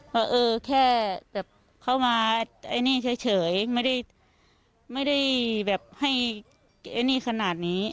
ว่าเออแค่แบบเขามาไอ้นี่เฉยไม่ได้แบบให้ไอ้นี่ขนาดนี้